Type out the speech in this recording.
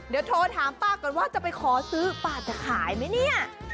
เดี๋ยวโทรถามป้าก่อนว่าจะไปขอซื้อป้าจะขายไหมเนี่ย